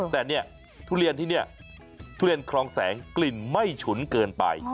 แต่เนี่ยทุเรียนที่นี่ทุเรียนคลองแสงกลิ่นไม่ฉุนเกินไป